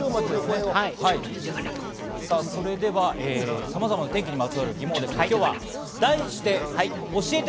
それではさまざまな天気にまつわる疑問を題して、教えて！